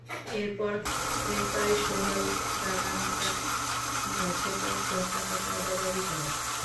এরপর এসআই সোহেল রানা রমজানের কাছে পাঁচ লাখ টাকা চাঁদা দাবি করেন।